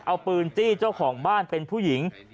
เอาปืนจี้เจ้าของบ้านเป็นผู้หญิง